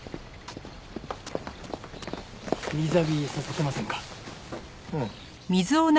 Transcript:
水浴びさせてませんか？